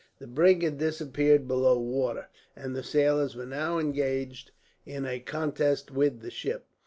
The brig had disappeared below the water, and the sailors were now engaged in a contest with the ship.